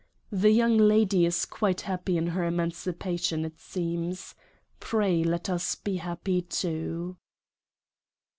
The Young Lady is quite happy in her Emancipation, it seems. Pray let us be happy too.